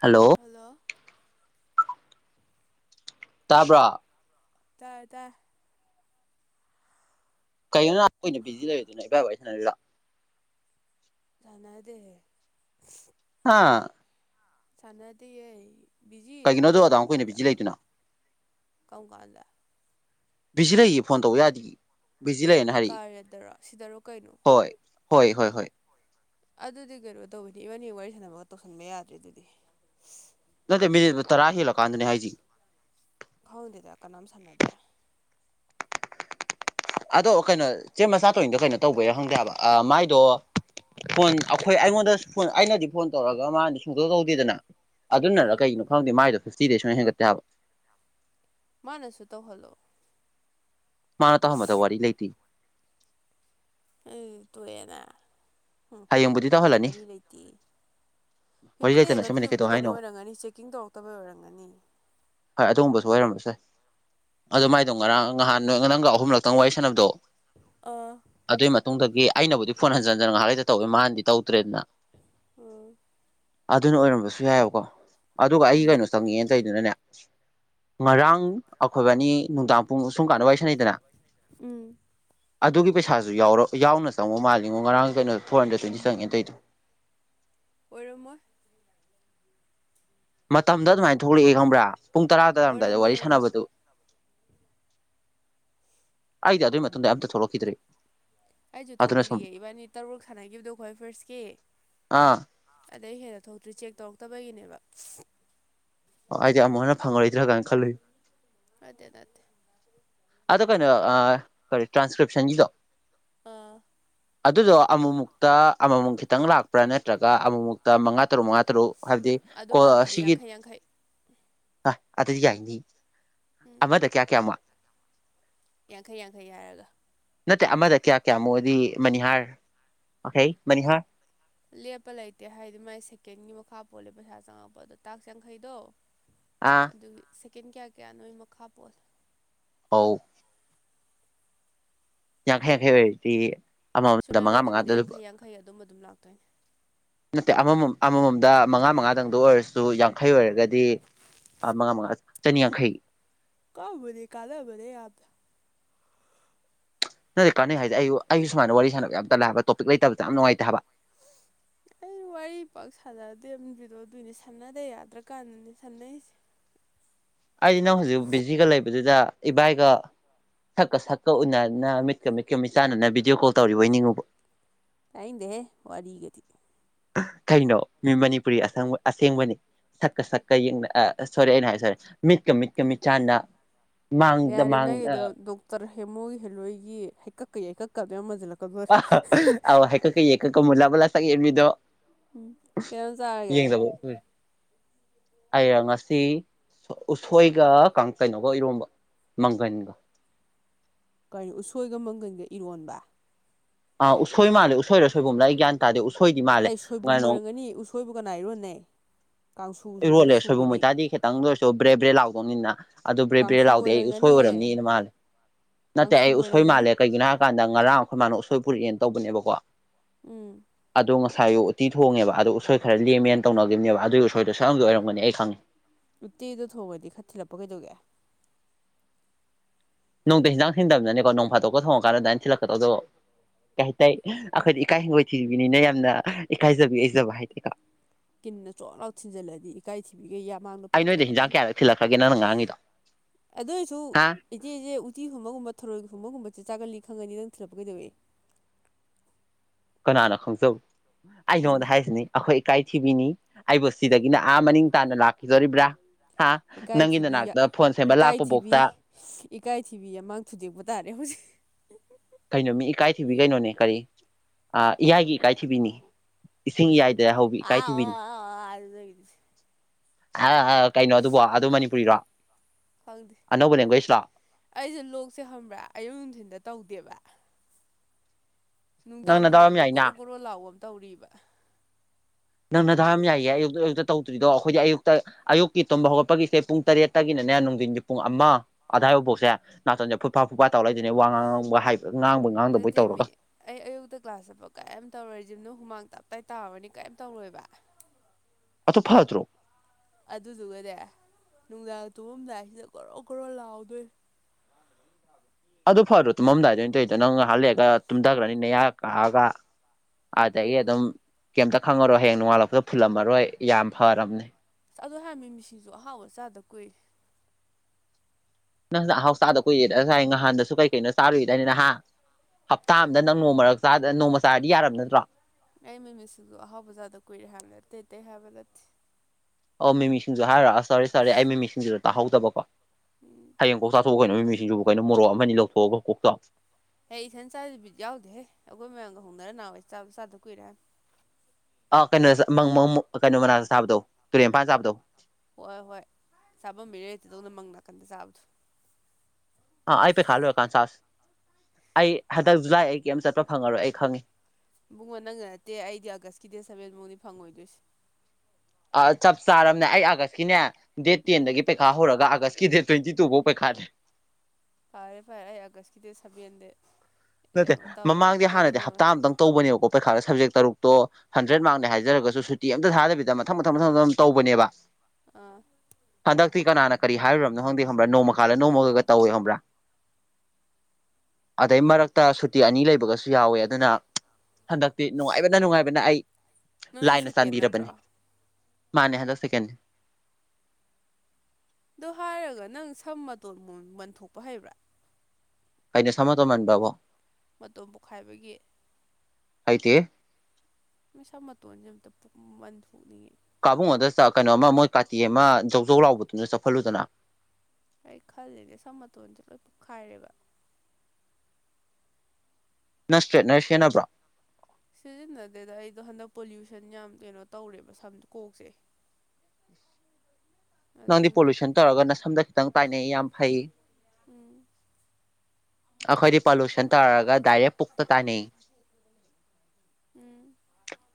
hello hello ꯇꯥꯕ꯭ꯔꯥ ꯇꯥꯏ ꯀꯩꯅꯣ ꯅꯍ ꯀꯨꯏꯅ ꯕꯤꯖꯤ ꯂꯩꯔꯤꯗꯅ ꯏꯕꯥꯏ ꯋꯔꯤ ꯁꯥꯟꯅꯔꯤ ꯂꯣ ꯁꯅꯗꯦꯍꯦ ꯑꯥ [unintelligible] ꯁꯅꯗꯤꯌꯦ ꯕꯤꯖꯤ ꯀꯩꯒꯤꯅꯣ ꯂꯩꯕ ꯑꯗꯣ ꯑꯗꯥꯝ ꯀꯨꯏꯅ ꯑꯣꯏꯔꯝꯃꯣꯏꯗ ꯕꯤꯖꯤ ꯂꯩꯗꯨꯅ ꯀꯝ ꯀꯥꯟꯗ ꯕꯤꯖꯤ ꯂꯩꯌꯦ ꯐꯣꯟ ꯇꯧꯕ ꯌꯥꯒ ꯀꯥ ꯌꯥꯗꯔꯣ ꯁꯤꯗꯔꯣ ꯀꯩꯅꯣ ꯍꯣꯏ ꯍꯣꯏ ꯍꯣꯏ ꯍꯣꯏ ꯑꯗꯨꯗꯤ ꯀꯩꯅꯣ ꯇꯧꯕꯅꯤ ꯏꯚꯟꯅꯤꯡ ꯋꯥꯔꯤ ꯁꯥꯟꯅꯕꯒ ꯇꯧꯁꯟꯕ ꯌꯥꯗ꯭ꯔꯦ ꯑꯗꯨꯗꯤ ꯃꯤ ꯇꯔꯥꯍꯤꯂ ꯀꯥꯟꯗꯅꯤ ꯍꯥꯏꯁꯤ ꯈꯪꯪꯗꯦꯗ ꯀꯅꯥꯝ ꯁꯥꯟꯅꯗꯦ ꯑꯗꯣ ꯀꯩꯅꯣ ꯆꯦ ꯃꯆꯥ ꯇꯗꯣ ꯀꯩꯅꯣ ꯇꯧꯕ ꯌꯥ ꯈꯪꯗꯦ ꯍꯥꯏꯕ ꯃꯥꯏꯗꯣ ꯐꯣꯟ ꯑꯩꯈꯣꯏ ꯑꯩꯉꯣꯟꯗ ꯐꯣꯟ ꯑꯩꯅꯗꯤ ꯐꯣꯟ ꯇꯧꯔꯒ ꯃꯥꯗꯤ ꯁꯨꯡꯇꯧ ꯇꯧꯗꯦꯗꯅ ꯎꯝ ꯑꯗꯨꯅꯔ ꯀꯒꯤꯅꯣ ꯈꯪꯗꯦ ꯃꯒꯤꯗꯣ ꯐꯤꯐꯇꯤ ꯗꯩ ꯁꯨꯍꯦꯟ ꯍꯦꯟꯒꯠꯇꯦ ꯍꯥꯏꯕ ꯃꯥꯅꯁꯨ ꯇꯧꯍꯜꯂꯣ ꯃꯥꯅ ꯇꯧꯍꯥꯟꯕꯗ ꯋꯥꯔꯤ ꯂꯩꯇꯦ ꯇꯣꯑꯅ ꯍꯌꯦꯡꯕꯨꯗꯤ ꯇꯧꯍꯜꯂꯅꯤ ꯋꯥꯔꯤ ꯐꯤꯐꯇꯤꯗ ꯂꯩꯇꯅ ꯑꯁꯦꯡꯕꯅꯤ ꯀꯩꯗꯧ ꯍꯦꯟꯒꯠꯇ꯭ꯔꯤꯗꯨꯕꯨꯗꯤ ꯀꯩꯅꯣ ꯍꯥꯏꯅꯣ ꯑꯣꯏꯔꯝꯒꯅꯤ ꯆꯦꯛꯀꯤꯡ ꯇꯧꯔꯛꯇꯕꯩ ꯑꯣꯏꯔꯝꯒꯅꯤ ꯐꯣꯏ ꯑꯗꯨꯒꯨꯝꯕꯁꯨ ꯑꯣꯏꯔꯝꯕꯁꯨ ꯌꯥꯏ ꯑꯗꯨꯃꯥꯏꯅꯗꯧ ꯉꯔꯥꯡ ꯅꯍꯥꯟ ꯅꯣꯏ ꯅꯪꯒ ꯑꯍꯨꯝꯂꯛꯇꯪ ꯋꯥꯔꯤ ꯁꯥꯟꯅꯕꯗꯣ ꯑ ꯑꯗꯨꯏ ꯃꯇꯨꯡꯗꯒꯤ ꯑꯩꯅꯕꯨꯗꯤ ꯐꯣꯟ ꯍꯟꯖꯤꯟ ꯍꯟꯅ ꯉꯍꯥꯛꯩꯇ ꯇꯧꯋꯏ ꯃꯥꯍꯥꯟꯗꯤ ꯇꯧꯗ꯭ꯔꯦꯗꯅ ꯑꯝ ꯑꯗꯨꯅ ꯑꯣꯏꯔꯝꯕꯁꯨ ꯌꯥꯏꯑꯕꯀꯣ ꯑꯗꯨꯒ ꯑꯩ ꯀꯩꯅꯣ ꯆꯪꯉꯦꯅ ꯇꯩꯗꯨꯅꯅꯦ ꯉꯔꯥꯡ ꯑꯩꯈꯣꯏꯕꯥꯅꯤ ꯅꯨꯡꯗꯥꯡ ꯄꯨꯡ ꯁꯨꯝ ꯀꯥꯟꯅꯕ ꯋꯥꯔꯤ ꯁꯥꯟꯅꯩꯗꯅ ꯎꯝ ꯑꯗꯨꯒꯤ ꯄꯩꯁꯥꯁꯨ ꯌꯥꯎꯔ ꯌꯥꯎꯅ ꯆꯪꯉꯣ ꯃꯥꯜꯂꯤꯉꯣ ꯉꯔꯥꯡ ꯀꯩꯅꯣ ꯐꯣꯔ ꯍꯟꯗ꯭ꯔꯦꯗ ꯇ꯭ꯋꯦꯟꯇꯤ ꯆꯪꯉꯦꯅꯇꯩꯗꯣ [inaudible] [inaudible] ꯑꯣꯏꯔꯝꯃꯣꯏ ꯃꯇꯝꯗ ꯑꯗꯨꯃꯥꯏꯅ ꯊꯣꯛꯂꯛꯑꯦ ꯈꯪꯕ꯭ꯔꯥ ꯄꯨꯡ ꯇꯔꯥ ꯇꯥꯔꯝꯗꯥꯏꯗ ꯑꯣꯏꯔꯝꯃꯣꯏ ꯋꯥꯔꯤ ꯑꯣꯏꯔꯝꯃꯣꯏ ꯁꯥꯟꯅꯕꯗꯨ ꯑꯩꯗꯤ ꯑꯗꯨꯏ ꯃꯇꯨꯡꯗ ꯑꯝꯇ ꯊꯣꯛꯂꯛꯈꯤꯗ꯭ꯔꯦ ꯑꯩꯁꯨ ꯊꯣꯛꯇ꯭ꯔꯤꯌꯦ ꯏꯕꯥꯅꯤ ꯇꯔꯨꯛ ꯁꯥꯟꯅꯈꯤꯕꯗꯣꯈꯣꯏ ꯐꯔꯁꯀꯤꯦ ꯑꯥ ꯑꯗꯩ ꯍꯦꯟꯅ ꯊꯣꯛꯇ꯭ꯔꯤ ꯆꯦꯛ ꯇꯧꯔꯛꯇꯕꯒꯤꯅꯦꯕ ꯑꯩꯗꯤ ꯑꯃꯨꯛ ꯍꯟꯅ ꯐꯪꯉꯔꯣꯏꯗ꯭ꯔꯥ ꯀꯥꯏꯅ ꯈꯜꯂꯨꯏ ꯅꯠꯇꯦ ꯅꯠꯇꯦ ꯑꯗꯣ ꯀꯩꯅꯣ ꯑꯥ ꯑꯥ ꯑꯗꯨꯗꯣ ꯑꯃꯨꯃꯨꯛꯇ ꯑꯃꯃꯨꯛ ꯈꯤꯇꯪ ꯂꯥꯛꯄ꯭ꯔꯥ ꯅꯠꯇ꯭ꯔꯒ ꯑꯃꯨꯃꯨꯛꯇ ꯃꯉꯥ ꯇꯔꯨꯛ ꯃꯉꯥ ꯇꯔꯨꯛ ꯐꯗꯤ ꯀ ꯑꯗꯨꯝ ꯂꯥꯛꯄꯅꯤ ꯁꯤꯒꯤ ꯌꯥꯡꯈꯩ ꯌꯥꯡꯈꯩ ꯑ ꯑꯗꯤ ꯀꯅꯤ ꯎꯝ ꯑꯃꯗ ꯀꯌꯥ ꯀꯌꯥ ꯃꯨꯛ ꯌꯥꯡꯈꯩ ꯌꯥꯡꯈꯩ ꯍꯥꯏꯔꯒ ꯅꯠꯇꯦ ꯑꯃꯗ ꯀꯌꯥ ꯀꯌꯥꯃꯨꯛꯗꯤ ꯃꯅꯤꯍꯥꯔ ꯃꯈꯩ ꯃꯅꯤꯍꯥꯔ ꯂꯦꯞꯄ ꯂꯩꯇꯦ ꯍꯥꯏꯕꯗꯤ ꯃꯥꯏ ꯁꯦꯀꯦꯟꯒꯤ ꯃꯈꯥ ꯄꯣꯜꯂꯦ ꯄꯩꯁꯥ ꯆꯪꯉꯛꯄ ꯑꯗꯣ ꯇꯥꯛ ꯌꯥꯡꯈꯩꯗꯣ ꯑꯥ ꯑꯗꯨꯒꯤ ꯁꯦꯀꯦꯟ ꯀꯌꯥ ꯀꯌꯥ ꯅꯣꯏ ꯃꯈꯥ ꯄꯣꯂꯦ ꯍꯥꯎ ꯌꯥꯈ ꯌꯥꯡꯈꯦ ꯍꯥꯏꯇꯤ ꯁꯨꯡꯂꯣꯏ ꯂꯣꯏꯇꯕꯤꯗ ꯌꯥꯡꯈꯩ ꯌꯥꯡꯈꯩ ꯑꯗꯨꯝꯕ ꯑꯗꯨꯝ ꯂꯥꯛꯇꯣꯏꯅꯦ ꯑ ꯑꯃꯃꯝ ꯑꯃꯃꯝꯗ ꯃꯉꯥ ꯃꯉꯥꯗꯪꯗ ꯑꯣꯏꯔꯁꯨ ꯌꯥꯡꯈꯩ ꯑꯣꯏꯔꯒꯗꯤ ꯑꯥ ꯃꯉꯥ ꯃꯉꯥ ꯆꯅꯤꯌꯥꯡꯈꯩ ꯀꯕꯨꯦ ꯀꯥꯅꯕꯅꯦ ꯌꯥꯝꯅꯥ ꯅꯗꯤ ꯀꯥꯟꯅꯩ ꯍꯥꯏꯁꯦ ꯑꯩ ꯑꯩꯁꯨ ꯁꯨꯃꯥꯏꯅ ꯋꯥꯔꯤ ꯁꯥꯟꯅꯕ ꯌꯥꯝ ꯇꯜꯂꯦ ꯍꯥꯏꯕ ꯇꯣꯄꯤꯛ ꯂꯩꯇꯕꯗ ꯌꯥꯝ ꯅꯨꯡꯉꯥꯏꯇꯦ ꯍꯥꯏꯕ [unintelligible] [inaudible] ꯑꯩ ꯋꯥꯔꯤ ꯄꯥꯛ ꯁꯥꯅꯗꯦꯝꯕꯤꯗꯣ ꯑꯗꯨꯏꯅꯦ ꯁꯝꯅꯗ ꯌꯥꯗ꯭ꯔꯀꯥꯟꯅꯦ ꯁꯝꯅꯩꯁꯦ ꯑꯩ ꯅꯪ ꯍꯧꯖꯤꯛ ꯕꯤꯖꯤꯒ ꯂꯩꯕꯗꯨꯗ ꯏꯕꯥꯏꯒ ꯁꯛꯀ ꯁꯛꯀ ꯎꯅꯅ ꯃꯤꯠꯀ ꯃꯤꯠꯀ ꯃꯤꯠ ꯆꯥꯟꯅꯅ ꯚꯤꯗꯤꯑꯣ ꯀꯣꯜ ꯇꯧꯔꯤꯕ ꯑꯣꯏ ꯅꯤꯡꯉꯨꯕ ꯇꯥꯏꯗꯦꯦ ꯋꯥꯔꯤꯗꯤꯒꯗꯤ ꯀꯩꯅꯣ ꯃꯤ ꯃꯅꯤꯄꯨꯔꯤ ꯑꯁꯪꯕ ꯑꯁꯦꯡꯕꯅꯤ ꯁꯛꯀ ꯁꯛꯀ ꯌꯦꯡ ꯁꯣꯔꯤ ꯑꯩꯅ ꯍꯥꯏ ꯁꯦ ꯃꯤꯠꯀ ꯃꯤꯠꯀ ꯃꯤꯠꯆꯥꯟꯅ ꯌꯥꯔꯦ ꯅꯪꯒꯤꯗ ꯗꯣꯛꯇꯔ ꯍꯦꯃꯣꯒꯤ ꯍꯦꯂꯣꯏꯒꯤ ꯍꯩꯀꯛꯀꯩ ꯍꯩꯀꯛꯀꯗ ꯑꯃꯁꯤꯜꯂ ꯑꯥꯎ ꯍꯦꯛ ꯀ ꯀꯩ ꯀ ꯀ ꯃꯂ ꯃꯂ ꯁꯪꯒꯦ ꯃꯤꯗꯣ ꯎꯝ ꯀꯩꯅꯣꯝ ꯆꯥꯔꯒꯦ ꯌꯦꯡꯗꯕ ꯑꯩꯔ ꯉꯁꯤ ꯎꯁꯣꯏꯒ ꯀꯥꯡ ꯀꯩꯅꯣꯒ ꯏꯔꯣꯝꯕ ꯃꯪꯒꯅꯤꯒꯣ ꯀꯔꯤꯣ ꯎꯁꯣꯏꯒ ꯃꯪꯒꯟꯒ ꯏꯔꯣꯟꯕ ꯑꯥ ꯎꯁꯣꯏ ꯃꯥꯜꯂꯦꯁꯣꯏꯔꯁꯣꯏꯕꯨꯝ ꯑꯃ ꯂ ꯑꯩ ꯒ꯭ꯌꯥꯟ ꯇꯥꯗꯦ ꯎꯁꯣꯏꯗꯤ ꯃꯥꯜꯂꯦ ꯍ ꯁꯣꯏꯕꯨꯝ ꯀꯩꯅꯣ ꯑꯣꯏꯣꯏꯔꯝꯒꯅꯤ ꯎ ꯁꯣꯏꯕꯒꯅꯥꯏꯔꯣꯅꯦ ꯏꯔꯣꯜꯂꯦ ꯁꯣꯏꯕꯨꯝ ꯃꯩꯇꯥꯗꯤ ꯈꯤꯇꯪ ꯂꯣꯏꯔꯁꯨ ꯕ꯭ꯔꯦ ꯕ꯭ꯔꯦ ꯂꯥꯎꯗꯧꯅꯤꯅ ꯑꯗꯨ ꯕ꯭ꯔꯦ ꯕ꯭ꯔꯦꯗ ꯀꯥꯡꯁꯨ ꯂꯥꯎꯗꯦ ꯑꯩ ꯎꯁꯣꯏ ꯑꯣꯏꯔꯝꯒꯅꯤꯌꯦ ꯑꯣꯏꯔꯕꯝꯅꯤꯅ ꯃꯥꯜꯂꯦ ꯅꯠꯇꯦ ꯀꯥꯡꯁꯨ ꯑꯩ ꯎꯁꯣꯏ ꯑꯣꯏꯔꯝꯒꯅꯤ ꯃꯥꯜꯂꯦ ꯀꯩꯒꯤꯅꯣ ꯍꯥꯏꯔ ꯀꯥꯟꯗ ꯉꯔꯥꯡ ꯑꯩꯈꯣꯏ ꯃꯥꯜꯅ ꯎꯁꯣꯏ ꯄꯨꯔꯛꯑꯦꯅ ꯇꯧꯕꯅꯦꯕꯀꯣ ꯎꯝ ꯁꯥꯏꯌꯨ ꯎꯇꯤ ꯊꯣꯡꯉꯦꯕ ꯑ ꯎꯁꯣꯏ ꯈꯔ ꯂꯦꯝꯃꯦꯅ ꯇꯧꯅꯈꯤꯕꯅꯦꯕ ꯑꯗꯨꯒꯤ ꯎꯁꯣꯏꯗꯣ ꯁꯛꯝꯗ ꯑꯣꯏꯔꯝꯒꯅꯤ ꯑꯩ ꯈꯪꯉꯦ ꯎꯠꯇꯤꯗ ꯊꯣꯡꯉꯗꯤ ꯈꯠ ꯊꯤꯜꯂꯛꯄ ꯀꯩꯗꯧꯒꯦ ꯅꯅꯨꯡꯇ ꯍꯤꯟꯖꯥꯡ ꯊꯦꯡꯗꯕꯅꯅꯦꯀꯣꯣꯡ ꯐꯥꯇꯣꯛꯀ ꯊꯣꯡꯉꯑꯥꯟ ꯑꯗꯨꯥꯏꯅ ꯊꯜꯛꯀꯗꯧꯗꯣ ꯀꯩ ꯍꯥꯏꯇꯥꯏ ꯑꯩꯈꯣꯏꯗꯤ ꯏꯀꯥꯏ ꯍꯪꯒꯣꯏ ꯊꯤꯔꯤꯕꯅꯤꯅ ꯌꯥꯝꯅ ꯏꯀꯥꯏꯖꯕꯤ ꯏꯖꯕ ꯍꯥꯏꯇꯥꯔꯦꯀꯣ ꯀꯤꯟꯅ ꯆꯣꯠꯂꯥꯛ ꯊꯤꯟꯖꯤꯜꯂꯗꯤ ꯏꯀꯥꯏ ꯊꯤꯕꯤꯒ ꯌꯥ ꯑꯩ ꯅꯣꯏꯗ ꯍꯤꯟꯖꯥꯡ ꯀꯌꯥꯗ ꯊꯜꯂꯛꯈꯒꯦ ꯅꯪ ꯉꯥꯡꯉꯦ ꯑꯗꯨꯑꯣ ꯑꯣꯏꯁꯨ ꯏꯆꯦ ꯏꯆꯦ ꯎꯇꯤ ꯈꯨꯝꯕꯒꯨꯝꯕ ꯊꯔꯣꯏ ꯈꯨꯝꯕꯒꯨꯝꯕ ꯆꯦ ꯆꯥꯒꯜꯂꯤ ꯈꯪꯒꯅꯤ ꯅꯪ ꯊꯤꯜꯂꯛꯄ ꯀꯩꯗꯧꯏꯦ ꯀꯅꯥꯅ ꯈꯪꯖꯕ ꯑꯩ ꯅꯉꯣꯟꯗ ꯍꯥꯏꯔꯤꯁꯤꯅꯤ ꯑꯩꯈꯣꯏ ꯏꯀꯥꯏ ꯄ꯭ꯊꯤꯕꯤꯅꯤ ꯑꯩꯕꯨ ꯁꯤꯗꯒꯤꯅ ꯑꯥ ꯃꯅꯤꯡ ꯇꯥꯅ ꯂꯥꯛꯈꯤꯗꯣꯔꯤꯕ꯭ꯔꯥ ꯅꯪꯒꯤꯤ ꯏꯀꯥꯏꯊꯤꯕꯤ ꯅꯅꯥꯇ ꯐꯣꯟ ꯁꯦꯝꯕ ꯏꯀꯥꯏꯊꯤꯕꯤ ꯂꯥꯛꯄꯕꯧꯇ ꯏꯀꯥꯏꯊꯤꯕꯤ ꯑꯃꯥꯡ ꯊꯨꯗꯦꯛꯄ ꯇꯥꯔꯦ ꯍꯧꯖꯤꯛ ꯀꯩꯅꯣ ꯃꯤ ꯏꯀꯥꯏꯊꯤꯕꯤ ꯀꯩꯅꯣꯅꯦ ꯀꯔꯤ ꯏꯌꯥꯥꯏꯒꯤ ꯏꯀꯥꯏꯊꯤꯕꯤꯅꯤ ꯏꯁꯤꯡ ꯌꯥꯏꯗ꯭ꯔꯦ ꯍꯧꯕꯤ ꯏ ꯀꯥꯏ ꯑꯥ ꯊꯤꯕꯤꯅꯤ ꯑꯥ ꯑꯥ ꯑꯥ ꯑꯗꯨꯗꯒꯤꯗꯤ ꯀꯩꯅꯣ ꯑꯗꯨꯕꯣ ꯑꯗꯨ ꯃꯅꯤꯄꯨꯔꯤꯔꯣ ꯈꯪꯗꯦ ꯑꯅꯧꯕ ꯂꯦꯡꯒ꯭ꯋꯦꯖꯂꯣ ꯑꯩꯁꯦ ꯂꯣꯛꯁꯦ ꯍꯪꯕ꯭ꯔꯥ ꯑꯌꯨꯛ ꯅꯨꯡꯊꯤꯤꯟꯗ ꯇꯧꯗꯦꯕ ꯅꯨꯡꯗꯥꯡ ꯅꯪ ꯅꯗꯥꯎ ꯌꯥꯝ ꯅꯨꯡꯗꯥꯡꯗ ꯒꯣꯔꯣ ꯌꯥꯏꯅ ꯒꯣꯔꯣ ꯂꯥꯎꯕ ꯑꯃ ꯇꯧꯔꯤꯕ ꯅꯪꯅ ꯔꯝ ꯌꯥꯏꯌꯦ ꯑꯌꯨꯛꯇ ꯑꯌꯨꯛꯇ ꯇꯧꯗ꯭ꯔꯤꯗꯣ ꯑꯩꯈꯣꯏꯗꯤ ꯑꯌꯨꯛꯇ ꯑꯌꯛꯀꯤ ꯇꯝꯕ ꯍꯧꯒꯠꯄꯒꯤꯁꯦ ꯄꯨꯡ ꯇꯔꯦꯠꯇꯒꯤꯅꯦ ꯅꯨꯡꯊꯤꯟꯒꯤ ꯄꯨꯡ ꯑꯃ ꯑꯗꯥꯏꯐꯥꯎꯁꯦ ꯅꯥꯆꯟꯁꯦ ꯐꯨꯠꯥ ꯐꯨꯐꯥ ꯇꯧꯔꯛꯏꯗꯅꯦ ꯋꯥ ꯉꯥꯡꯕ ꯍꯥꯏ ꯅꯠꯇꯦ ꯃꯤ ꯑꯩ ꯑꯌꯨꯛꯇ ꯀ꯭ꯂꯥꯁ ꯆꯠꯄ ꯀꯌꯥꯝ ꯇꯧꯔꯣꯏꯁꯤꯝꯅꯣ ꯍꯨꯃꯥꯡ ꯇꯥ ꯥꯏꯇꯥꯥꯕꯅꯤ ꯀꯔꯤꯝ ꯇꯧꯔꯣꯏꯕ ꯑꯠꯇꯣ ꯐꯥꯠꯇ꯭ꯔꯣ ꯑꯗꯨꯗꯨꯒꯅꯦ ꯅꯨꯡꯗꯥꯡ ꯇꯨꯉꯝꯗꯥꯏꯁꯤꯗ ꯣꯔꯣ ꯣꯔꯣ ꯂꯥꯎꯗꯣꯏ ꯑꯗꯨ ꯐꯔꯣ ꯇꯨꯝꯃꯝꯗꯥꯏꯗꯣꯏ ꯅ ꯇꯧꯗꯣ ꯅꯪ ꯍꯜꯂꯛꯑꯒ ꯇꯨꯝꯊꯈ꯭ꯔꯅꯤꯅꯦ ꯌꯥ ꯀꯛꯑꯒ ꯑꯗꯒꯤ ꯎꯝ ꯑꯗꯨꯝ ꯀꯩꯝꯇ ꯈꯪꯉꯔꯣꯏ ꯍꯌꯦꯡ ꯅꯣꯡꯉꯥꯜꯂꯛꯄꯗ ꯐꯨꯜꯂꯝꯃꯔꯣꯏ ꯌꯥꯝ ꯐꯔꯕꯅꯦ ꯑꯁ ꯑꯗꯨꯗꯣ ꯍꯥꯏꯔꯝꯃꯤ ꯃꯤꯁꯤꯁꯨ ꯑꯍꯥꯎꯕ ꯆꯥꯗ ꯀꯨꯏ ꯅꯪ ꯍꯥꯎꯁꯥꯗ ꯀꯨꯏꯔꯦꯗ ꯉꯁꯥꯏ ꯅꯍꯥꯟꯗꯁꯨ ꯀꯩ ꯀꯩꯅꯣ ꯆꯥꯔꯨꯏꯗꯏꯅꯤ ꯅꯍꯥꯟ ꯍꯞꯇꯥ ꯑꯝꯗ ꯅꯪ ꯅꯣꯡꯃ ꯃꯔ ꯅꯣꯡꯃ ꯆꯥꯔꯗꯤ ꯌꯥꯔꯝ ꯅꯠꯇ꯭ꯔꯣ ꯑꯩ ꯃꯃꯤꯁꯤꯁꯨ ꯑꯍꯥꯎꯕ ꯖꯥꯗ ꯀꯨꯏꯔꯦ ꯍꯥꯏꯕ ꯂꯩꯇꯩ ꯑꯇꯩ ꯍꯥꯏꯕ ꯂꯩꯠꯇꯦ ꯑꯣ ꯃꯤꯃꯤꯁꯤꯡꯖ ꯍꯥꯏꯔꯛꯑꯣ ꯆꯔꯦ ꯆꯔꯦ ꯑꯩ ꯃꯤꯃꯤꯁꯤꯡꯗꯨꯗ ꯇꯥꯍꯧꯗꯕꯀꯣ ꯎꯝ ꯍꯌꯦꯡ ꯀꯣꯛ ꯆꯥꯊꯣꯛꯎ ꯀꯩꯅꯣ ꯃꯤꯁꯤꯡꯁꯤꯕꯨ ꯀꯩꯅꯣ ꯃꯣꯔꯣꯛ ꯑꯃꯅꯤ ꯑ ꯂꯧꯊꯣꯛꯑꯒ ꯀꯣꯛꯇ ꯍ ꯏꯅ ꯆꯥꯗꯤꯕꯤ ꯌꯥꯎꯗꯦ ꯑꯩꯈꯣꯏ ꯃꯌꯥꯝꯒ ꯍꯣꯡꯅꯔ ꯅꯥꯋꯥꯏ ꯆꯥꯗꯕ ꯀꯨꯏꯔꯦ ꯀꯩꯅꯣ ꯀꯩꯅꯣ ꯃꯅꯥ ꯆꯥꯕꯗꯣ ꯇꯨꯔꯦꯟ ꯃꯄꯥꯟ ꯆꯥꯕꯗꯣ ꯍꯣꯏ ꯍꯣꯏ ꯆꯥꯐꯝꯕꯤꯔꯦ ꯑꯗꯨꯗꯧꯅ ꯃꯪ ꯅꯥꯀꯟꯗ ꯆꯥꯕꯗꯣ ꯑꯥ ꯑꯩ ꯄꯦ ꯈꯥꯂꯨ ꯀꯥꯟ ꯁꯥꯁ ꯑꯩ ꯍꯟꯗꯛ ꯖꯨꯂꯥꯏ ꯑꯩ ꯀ ꯑꯃ ꯆꯠꯄ ꯐꯪꯉꯔꯣꯏ ꯑꯩ ꯈꯪꯉꯤ ꯏꯕꯨꯡꯉꯣ ꯅꯪꯒ ꯅꯠꯇꯦ ꯑꯩꯗꯤ ꯑꯥꯒꯁꯀꯤ ꯗꯦꯠ ꯁꯚꯦꯟꯃꯨꯛꯗꯤ ꯐꯪꯉꯣꯏꯗꯣꯏꯁ ꯑ ꯆꯞ ꯆꯥꯔꯕꯅꯦ ꯑꯩ ꯑꯥꯒꯁꯀꯤꯅꯦ ꯗꯦꯠ ꯎꯝ ꯇꯦꯟꯗꯒꯤ ꯄꯩꯈꯥ ꯍꯧꯔꯒ ꯑꯥꯒꯁ ꯀꯊꯦ ꯇ꯭ꯋꯦꯟꯇꯤ ꯇꯨꯕꯨ ꯄꯦ ꯈꯥꯗꯦ ꯐꯔꯦ ꯐꯔꯦ ꯑꯩ ꯑꯒꯁꯀꯤꯗꯤ ꯁ ꯑꯗꯦ ꯅꯠꯇꯦ ꯃꯃꯥꯡꯗꯤ ꯍꯥꯟꯅꯗꯤ ꯍꯞꯇꯥ ꯑꯃꯇꯪ ꯇꯧꯕꯅꯦꯕꯀꯣ ꯄꯩꯈꯥꯗ ꯁꯕꯖꯦꯛ ꯇꯔꯨꯛ ꯇꯣ ꯍꯟꯗ꯭ꯔꯦꯠ ꯃꯥꯔꯛꯅꯦ ꯍꯥꯏꯖꯔꯒꯁꯨ ꯁꯨꯇꯤ ꯑꯝꯇ ꯊꯥꯗꯕꯤꯗ ꯃꯊꯪ ꯃꯊꯪ ꯃꯊꯪ ꯃꯊꯝ ꯇꯧꯕꯅꯦꯕ ꯑ ꯍꯟꯗꯛꯇꯤ ꯀꯅꯥꯅ ꯀꯔꯤ ꯍꯥꯏꯔꯨꯨꯔꯕꯅꯣ ꯈꯪꯗꯦ ꯈꯪꯕ꯭ꯔ ꯅꯣꯡꯃ ꯈꯥꯜꯂ ꯅꯣꯡꯃꯒ ꯇꯧꯏꯦ ꯈꯪꯕ꯭ꯔ ꯑꯗꯩ ꯃꯔꯛ ꯇ ꯁꯨꯇꯤ ꯑꯅꯤ ꯂꯩꯕꯒꯁꯨ ꯌꯥꯎꯋꯦ ꯑꯗꯨꯅ ꯍꯟꯗꯛꯇꯤ ꯅꯨꯡꯉꯥꯏꯕꯅ ꯅꯨꯡꯉꯥꯏꯕꯅ ꯑꯩ ꯅꯪꯗꯤ ꯂꯥꯏꯅ ꯁꯦꯀꯦꯟ ꯅꯠꯇ꯭ꯔꯣ ꯆꯥꯟꯕꯤꯔꯕꯅꯤ ꯃꯥꯅꯦ ꯍꯥꯏꯗ ꯁꯦꯀꯦꯟꯅꯤ ꯑꯗꯣ ꯍꯥꯏꯔꯒ ꯅꯪ ꯁꯝ ꯃꯇꯣꯟ ꯃꯟꯊꯣꯛꯄ ꯍꯩꯕ꯭ꯔ ꯀꯩꯅꫭ ꯁꯝꯃꯇꫭꯟ ꯃꯟꯕꯕꯣ ꯃꯇꯣꯟ ꯄꯣꯛꯈꯥꯏꯕꯒꯤ ꯍꯩꯇꯦꯍꯦ ꯁꯝ ꯃꯇꯣꯟꯁꯦ ꯑꯝꯇ ꯄꯨ ꯃꯟ ꯊꯣꯛꯣꯛꯅꯤꯡꯉꯦ ꯀꯥꯕꯨꯡꯉꫭꯗ ꯀꯩꯅꯣ ꯑꯃ ꯃꯣꯏ ꯀꯥꯇꯤ ꯑꯃ ꯖꯧꯖꯧ ꯂꯥꯎꯕꯗꯨꯅ ꯆꯠꯐꯜꯂꯨꯗꯅ ꯑꯩ ꯈꯜꯂꯤꯅꯦ ꯁꯝ ꯃꯇꯣꯟꯁꯦ ꯂꯣꯏ ꯄꯣꯛꯈꯥꯏꯔꯦꯕ ꯅꯪ ꯏꯁꯇ꯭ꯔꯦꯠꯅꫪ ꯁꯤꯟꯅꯕ꯭ꯔꫭ ꯁꯤꯖꯤꯟꯅꯗꯦꯗ ꯑꯩꯗꯣ ꯍꯟꯗꯛ ꯄꯣꯂꯨꯁꯟ ꯌꯥꯝ ꯀꯩꯅꯣ ꯇꯧꯔꯦꯕ ꯁꯝ ꯀꯣꯛꯁꯦ [inaudible] ꯅꯪꯗꯤ ꯑꯗꯨꯒꯤ ꯄꯣꯂꯨꯁꯟ ꯇꯧꯔꯒ ꯅꯁꯝꯗ ꯈꯤꯇꯪ ꯇꯥꯏꯅꯩ ꯌꯥꯝ ꯐꯩ [inaudible] ꯑꯩꯈꯣꯏꯗꯤ ꯄꯣꯂꯨꯁꯟ ꯇꯧꯔꯒ ꯗꯥꯏꯔꯦꯛ ꯄꯨꯛꯇ ꯇꯥꯏꯅꯩ ꯎꯝ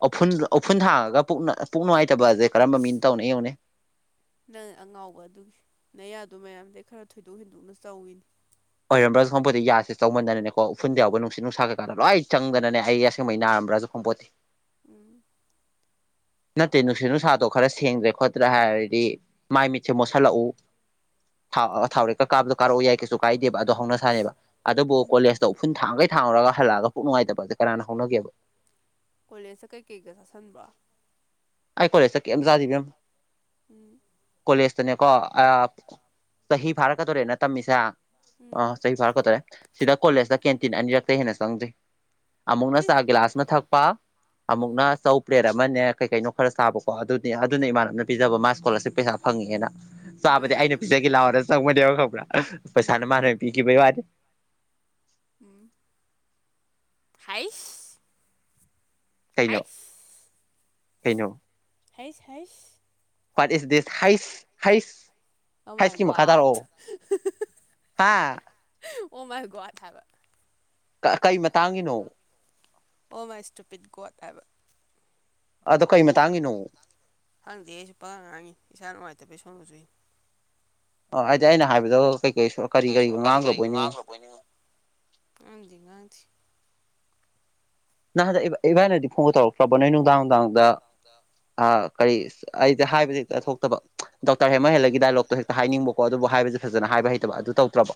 ꯎꯐꯨꯟ ꯎꯐꯨꯟ ꯊꯥꯡꯉꯒ ꯄꯨꯛ ꯄꯨꯛ ꯅꯨꯡꯉꯥꯏꯇꯕꯁꯦ ꯀꯔꯝꯕ ꯃꯤꯅ ꯇꯧꯅꯩ ꯌꯦꯡꯉꯨꯅꯦ ꯅꯪ ꯑꯉꯥꯎꯕ ꯑꯗꯨꯒꯤ ꯅꯌꯥꯗꯣ ꯃꯌꯥꯝꯗꯩ ꯈꯔ ꯊꯣꯏꯗꯣꯛ ꯍꯦꯟꯗꯣꯛꯅ ꯆꯧꯋꯤꯅꯦ ꯑꯣꯏꯔꯝꯕ꯭ꯔꯁꯨ ꯈꯪꯄꯣꯇꯦ ꯌꯥꯁꯦ ꯆꯧꯃꯟꯗꯅꯀꯦ ꯎꯐꯨꯟꯗ ꯌꯥꯎ ꯅꯨꯡꯁꯤ ꯅꯨꯡꯁꯥ ꯀꯩꯀꯥꯟꯗꫭ ꯂꯣꯏ ꯆꯪꯗꯅ ꯑꯩ ꯑꯁꯦꯡꯕꯩ ꯅꯔꯝꯕ꯭ꯔꯁꯨ ꯈꯪ ꯄꫭꯇꯦ [inaudible] ꯅꯠꯇꯦ ꯅꯨꯡꯁꯤꯠ ꯅꯨꯡꯁꯥꯗꯣ ꯈꯔ ꯁꯦꯡꯗ꯭ꯔꯦ ꯈꯣꯠꯇ꯭ꯔꯦ ꯍꯥꯏꯔꯗꯤ ꯃꯥꯏ ꯃꯤꯠꯁꯦ ꯃꯣꯠꯁꯤꯜꯂꯛꯎ ꯥꯊꯥꯎ ꯊꯥꯎꯔꯦꯛꯀ ꯀꯥꯕꯗꯣ ꯀꯥꯔꯛꯑꯣ ꯌꯥꯏ ꯀꯩꯁꯨ ꯀꯥꯏꯗꯦꯕ ꯑꯗꯣ ꯍꯧꯅ ꯁꯥꯅꯦꯕ ꯑꯗꯨꯕꯨ ꯎꯝ ꯀꯣꯂꯦꯖꯇ ꯎꯐꯨꯟ ꯊꯥꯡꯒꯩ ꯊꯥꯡꯉꯨꯔꯒ ꯍꯜꯂꯛꯑꯒ ꯄꯨꯛ ꯅꯨꯡꯉꯥꯏꯇꯕꯁꯦ ꯀꯅꯥꯅ ꯍꯧꯅꯒꯦꯕ ꯀꯣꯂꯦꯖꯇ ꯀꯩꯀꯩꯒ ꯆꯥꯁꯤꯟꯕ꯭ꯔꫭ ꯑꯩ ꯀꯣꯂꯦꯖꯇ ꯀꯩꯝ ꯆꯥꯗꯦ ꯏꯕꯦꯝ ꯎꯝ ꯂꯦꯁꯇꯅꯦꯀꯣ ꯑ ꯆꯍꯤ ꯐꯥꯔꯛꯀꯗꫭꯔꯦꯅ ꯇꯝꯃꯤꯁꯦ ꯑꯥ ꯎꯝ ꯆꯍꯤ ꯐꯥꯔꯛꯀꯗꫭꯔꯦ ꯁꯤꯗ ꯀꯣꯂꯦꯖꯇ ꯀꯦꯟꯇꯤꯟ ꯑꯅꯤꯔꯛꯇꯩ ꯍꯦꯟꯅ ꯆꯪꯗ꯭ꯔꯤ ꯑꯃꯨꯛꯅ ꯏ ꯆꯥ ꯒꯤꯂꯥꯁ ꯑꯃ ꯊꯛꯄ ꯑꯃꯨꯛꯅ ꯆꯧ ꯄ꯭ꯂꯦꯠ ꯑꯃꯅꯦ ꯀꯩ ꯀꯩꯅꯣ ꯈꯔ ꯆꯥꯕꯀꯣ ꯑꯗꯨꯅꯦ ꯑꯗꯨꯅ ꯏꯃꯥꯟꯅꯕꯅ ꯄꯤꯖꯕ ꯃꯥ ꯏꯁꯀꯣꯂꯥꫪꯁꯤꯞ ꯄꯩꯁꯥ ꯐꯪꯉꯦꯅ ꯆꯥꯕꯗꯤ ꯏꯃꯥ ꯑꯩꯅ ꯏꯕꯦꯝ ꯄꯤꯖꯒꯦ ꯂꯥꯛꯑꯣꯅ ꯆꯪ ꯃꯅꯦꯕ ꯈꯪꯕ꯭ꯔ ꯄꯩꯁꯥꯅ ꯎꯝ ꯃꯥꯅ ꯑꯣꯏꯅ ꯄꯤꯈꯤꯕꯒꯩ ꯋꯥꯅꯦ ꯎꯝ ꯍꯥꯏꯁ ꯀꯩꯅꯣ ꯀꯩꯅꯣ ꯍꯩꯏꯁ ꯍꯩꯏꯁ ꯋꯥꯠ ꯏꯁ ꯗꯤꯁ ꯍꯩꯁ ꯍꯩꯁ ꯍꯩꯁꯀꯤ ꯃꯈꯥ ꯑꫭꯃꯥꯏꯒꯣꯠ ꯇꯥꯔꯛꯑꯣ ꯍꯥ ꯑꯣ ꯃꯥꯏ ꯒꯣꯠ ꯍꯥꯏꯕ ꯀꯩ ꯃꯇꯥꯡꯒꯤꯅꯣ ꯑꯣ ꯃꯥꯏ ꯏꯁꯇꯨꯄꯤꯠ ꯒꯣꯠ ꯍꯥꯏꯕ ꯑꯗꯣ ꯀꯩ ꯃꯇꯥꯡꯒꯤꯅꯣ ꯈꯪꯗꯦ ꯑꯩꯁꯨ ꯄꯉꯥꯡ ꯉꯥꯡꯉꯤꯅꯤ ꯏꯁꯥ ꯅꯨꯡꯉꯥꯏꯇꯕꯩ ꯁꯣꯅꯦ ꯆꯨꯏꯅꯤ ꯑꫭ ꯑꯩꯗꯤ ꯑꯩꯅ ꯍꯥꯏꯕꯗ ꯀꯩꯀꯩ ꯀꯔꯤ ꯀꯔꯤꯒ ꯉꯥꯡꯗ꯭ꯔꯕꯣꯏꯅꯤꯡꯉꯨꯔꯦ ꯉꯥꯡꯗꯦ ꯉꯥꯡꯗꯦ ꯅꯍꯥꯟꯗꯛ ꯏꯕꯥꯏꯅꯗꯤ ꯐꯣꯟꯒ ꯇꯧꯔꯛꯇ꯭ꯔꯕꯣ ꯅꯣꯏ ꯅꯨꯡꯗꯥꯡ ꯅꯨꯡꯗꯥꯡꯗ ꯑ ꯀꯔꯤ ꯑꯩꯁꯦ ꯍꯥꯏꯕꯁ ꯍꯦꯛꯇ ꯊꯣꯛꯇꯕ ꯗꯣꯛꯇꫪ ꯍꯦꯃꫭ ꯍꯦꯂꫭꯏꯒꯤ ꯗꯥꯏꯂꯣꯛꯇꯣ ꯍꯦꯛꯇ ꯍꯥꯏꯅꯤꯡꯕꯀꯣ ꯑꯗꯨꯕꯨ ꯍꯥꯏꯕ ꯐꯖꯅ ꯍꯥꯏꯕ ꯍꯩꯇꯕ ꯑꯗꯨ ꯇꯧꯗ꯭ꯔꯕ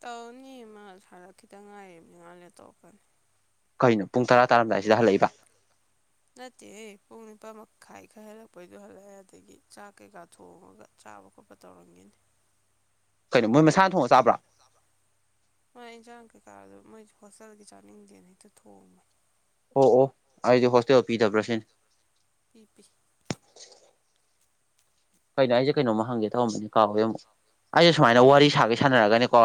ꯇꯧꯅꯤ ꯃꯥ ꯁꯥꯔꯛ ꯈꯤꯇꯪ ꯉꯥꯏꯕꯅꯤꯉꯥꯜꯦ ꯇꯣꯔꯀꯅꯤ ꯀꯩꯅꯣ ꯄꯨꯡ ꯇꯔꯥ ꯇꯥꯔꯝꯗꯥꯏꯁꯤꯗ ꯍꯜꯂꯛꯏꯕ ꯈꯥꯏ ꯈꯥꯏ ꯍꯜꯂꯛꯄꯩꯗꯣ ꯍꯜꯂꯛꯑꯦ ꯑꯗꯒꯤ ꯆꯥꯛ ꯀꯩꯀꯥ ꯊꯣꯡꯉꯒ ꯆꯥꯕ ꯈꯣꯠꯄ ꯇꯧꯔꯝꯒꯤꯅꯤ ꯀꯩꯅꯣ ꯃꯣꯏ ꯃꯁꯥꯅ ꯊꯣꯡꯉ ꯆꯥꯕ꯭ꯔꯥ ꯥꯔ ꯃꯣꯏ ꯍꯣꯁꯇꯦꯜꯒꯤ ꯆꯥꯅꯤꯡꯗꯦꯅ ꯍꯦꯛꯇ ꯊꯣꯡꯕ ꯑꯣ ꯑꯣ ꯑꯩꯗꯤ ꯍꯣꯁꯇꯦꯜ ꯄꯤꯗꯕ꯭ꯔꯥ ꯁꯤꯅꯤ ꯄꯤ ꯄꯤ [unintelligible] ꯀꯩꯅꯣꯝꯃ ꯍꯪꯒꯦ ꯇꯧꯔꯝꯕꯅꯦ ꯀꯥꯎꯋꯦ ꯑꯃꯨꯛ ꯑꯩꯁ ꯁꯨꯃꯥꯏꯅ ꯋꯥꯔꯤ ꯁꯥꯒꯦ ꯁꯥꯟꯅꯔꯒꯅꯤꯀꯣ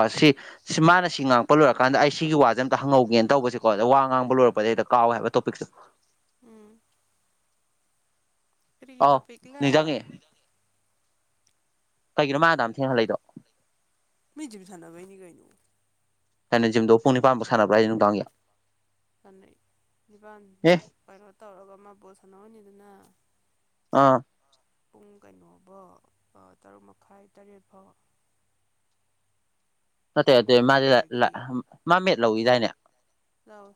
ꯁꯤ ꯃꯥꯅ ꯁꯤ ꯉꯥꯡꯛꯄ ꯂꯣꯏꯔꯀꯥꯟꯗ ꯑꯩ ꯁꯤꯒꯤ ꯋꯥꯁꯦ ꯑꯝꯇ ꯍꯪꯍꯧ ꯌꯦꯅ ꯇꯧꯕꯁꯁꯤꯀꯣ ꯑꯗ ꯋꯥ ꯉꯥꯡꯕ ꯂꯣꯏꯛꯄꯗꯩꯗ ꯀꯥꯎꯋꯦꯕ ꯇꯣꯄꯤꯛꯁꯨ ꯎꯝ ꯄꯔꯤꯒꯤ ꯑꯧ ꯇꯄꯤꯛꯂ ꯅꯤꯡꯁꯤꯡꯉꯦ ꯀꯩꯒꯤꯅꯣ ꯃꯥ ꯑꯗꯝ ꯊꯦꯡ ꯍꯜꯂꯛꯏꯗꯣ ꯃꯤ ꯖꯤꯝ ꯁꯟꯅꯕꯩꯅꯤ ꯀꯩꯅꯣ ꯀꯩꯅꯩꯖꯤꯝꯗꯣ ꯄꯨꯡ ꯅꯤ ꯄꯥꯟꯕ ꯁꯥꯟꯅꯕ꯭ꯔꯥ ꯍꯥꯏꯁ ꯅꯨꯡꯗꯥꯡꯒꯤ ꯁꯟꯅꯩ ꯅꯤꯄꯥꯜ ꯑꯦ ꯀꯩꯅꯣ ꯇꯧꯔꯒ ꯑꯃ ꯄꯣꯠ ꯁꯥꯟꯅꯧꯅꯤꯗꯅ ꯑꯥ ꯄꯨꯡ ꯀꯩꯅꯣꯐꯣ ꯇꯔꯨꯛ ꯃꯈꯥꯏ ꯇꯔꯦꯠ ꯐꯥꯎ ꯅꯠꯇꯦ ꯑꯗꯨ ꯄꯨꯡ ꯃꯥꯗꯤ ꯃꯉꯥꯗꯒꯤ ꯃꯥ ꯃꯦꯠ ꯂꯧꯏꯤꯗꯥꯏꯅꯦ ꯂꯧ ꯏ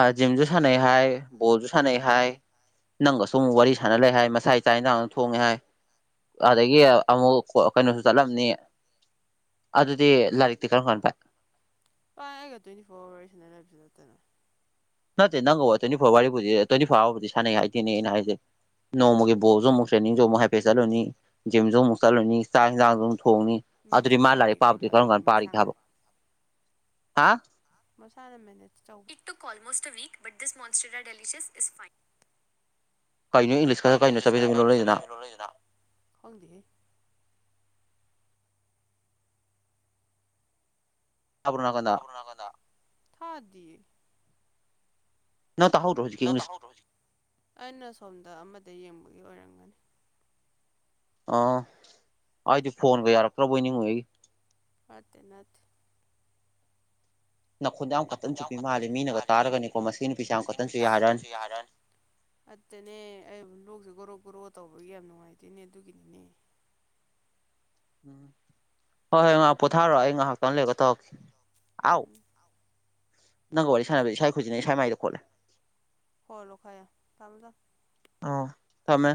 ꯑ ꯖꯤꯝꯁꯨ ꯁꯥꯟꯅꯩ ꯍꯥꯏ ꯕꯣꯜꯁꯨ ꯁꯅꯩ ꯍꯥꯏ ꯅꯪꯒ ꯁꯨꯝ ꯋꯥꯔꯤ ꯁꯥꯟꯅ ꯂꯩ ꯍꯥꯏ ꯃꯁꯥ ꯏꯆꯥ ꯏꯟꯁꯥꯡꯅ ꯊꯣꯡꯉꯦ ꯍꯥꯏ ꯑꯗꯒꯤ ꯑꯃꯨꯛ ꯀꯩꯅꯣꯁꯨ ꯆꯠꯂꯝꯅꯤ ꯑꯗꯨꯗꯤ ꯂꯥꯏꯔꯤꯛꯇꯤ ꯀꯔꯝꯀꯥꯜ ꯄꯥꯏ ꯥꯏ ꯑꯩꯒ ꯇ꯭ꯋꯦꯟꯇꯤ ꯐꯣꯔ ꯑꯋꯥꯔꯁꯤꯅ ꯂꯩꯕꯁꯨ ꯅꯠꯇꯅ ꯅꯠꯇꯦ ꯅꯪꯒ ꯋꯥ ꯇ꯭ꯋꯦꯟꯇꯤ ꯐꯣꯔ ꯋꯥꯔꯤꯔꯤꯕꯨꯗꯤ ꯇ꯭ꯋꯦꯟꯇꯤ ꯐꯣꯔ ꯑꯋꯥꯕꯨꯗꯤ ꯁꯥꯟꯅꯩ ꯍꯥꯏꯗꯦꯅꯦ ꯑꯩꯅ ꯍꯥꯏꯁꯦ ꯅꯣꯡꯃꯒꯤ ꯕꯣꯔꯁꯨ ꯑꯃꯨꯛ ꯇ꯭ꯔꯦꯅꯤꯡꯁꯨ ꯑꯃꯨꯛ ꯍꯥꯏꯐꯦꯠ ꯆꯠꯂꯨꯅꯤ ꯖꯤꯝꯁꯨ ꯑꯃꯨꯛ ꯆꯠꯂꯨꯅꯤ ꯆꯥꯛ ꯌꯦꯟꯁꯥꯡꯁꯨ ꯊꯣꯡꯅꯤ ꯑꯗꯨꯗꯤ ꯃꯦꯅꯦꯖ ꯃꯥ ꯇꯧꯔꯤꯅꯤ ꯂꯥꯏꯔꯤꯛ ꯀꯩꯅꯣ ꯄꯥꯕꯗꯤ ꯀꯔꯝ ꯑꯗꯨꯗꯤ ꯀꯥꯟ ꯄꯥꯔꯤꯒꯦ ꯃꯁꯥꯅ ꯍꯥꯏꯕ ꯍꯥ ꯐ [unintelligible] [inaudible] [unintelligible] ꯀꯩꯅꯣ ꯏꯪꯂꯤꯁꯀ ꯀꯩꯅꯣ ꯏꯪꯂꯤꯁ ꯆꯕꯦꯠ ꯀꯗꯣ ꯆꯕꯦꯠ ꯆꯕꯦ ꯆꯕꯦ ꯂꯣꯜꯂꯛꯏꯗꯨꯅ ꯂꯩꯜꯂꯛꯏꯗꯨꯅ ꯇꯥꯕ꯭ꯔꯣ ꯀ ꯅꯥꯀꯟꯗ ꯊꯥꯗ [unintelligible] ꯅꯪ ꯇꯥꯍꯧꯗ꯭ꯔꯣ ꯍꯧꯖꯤꯛꯀꯤ ꯏꯪꯂꯤꯁ ꯑꯩꯅ ꯁꯣꯝꯗ ꯑꯃꯗ ꯌꯦꯡꯕꯒꯤ ꯑꯣꯏꯔꯝ ꯑꯥ ꯑꯩꯗꯤ ꯐꯣꯟꯒ ꯌꯥꯔꯛꯇ꯭ꯔꯕꯣꯏ ꯅꯤꯡꯉ ꯑꯩꯒꯤ ꯅꯇꯦ ꯅꯇꯦ ꯅꯈꯣꯟꯗ ꯌꯥꯝ ꯅꯈꯣꯟꯗꯣ ꯀꯛꯇꯟꯁꯨ ꯄꯤ ꯀꯟꯇꯟ ꯃꯥꯜꯂꯤꯦ ꯆꯨꯞꯄꯤ ꯃꯤꯅꯒ ꯃꯥꯜꯂꯦ ꯃꯤꯅ ꯇꯥꯔꯒꯅꯤꯀꯣ ꯃꯁꯤꯅ ꯄꯩꯁꯥ ꯌꯥꯝ ꯀꯛꯇꯁꯨ ꯌꯥꯔꯅꯤ ꯑꯠꯇꯅꯦ ꯑꯩꯁꯤ ꯂꯩꯛꯁꯦ ꯒꯩꯔꯣꯛ ꯒ꯭ꯔꯣ ꯇꯧꯕꯒꯤ ꯌꯥꯝ ꯅꯨꯡꯉꯥꯏꯇꯣꯏꯅꯦ ꯑꯗꯨꯒꯤꯅꯤꯅꯦ ꯎꯝ ꯍꯣꯏ ꯍꯣꯏ ꯉꯥꯏꯍꯥꯛ ꯄꯣꯊꯥꯔꯛꯑꯣ ꯑꯩ ꯉꯥꯏꯍꯥꯛꯇꯪ ꯂꯩꯔꯒ ꯇꯧꯔꯛꯀꯦ ꯑꯥꯎ ꯎꯝ ꯅꯪꯒ ꯋꯥꯔꯤ ꯁꯥꯟꯅꯕꯗ ꯏꯁꯥ ꯈꯈꯣꯏꯁꯤꯅ ꯏꯁꯥꯃꯥꯏꯗ ꯈꯣꯠꯂꯦ ꯈꯣꯠꯂꯣ ꯈ ꯌꯥꯝ ꯊꯃꯣ ꯊꯃꯣ ꯑꯥ ꯊꯃꯦ